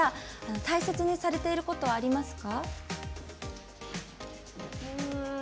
大切にされていることはありますか？